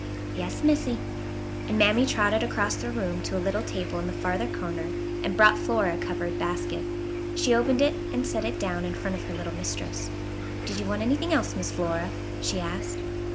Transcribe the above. "Yas, Missy," and Mammy trotted across the room to a little table in the further corner and brought Flora a covered basket. She opened it and set it down in front of her little mistress. "Do's yo' want anyt'ing else, Missy Flora?" she asked.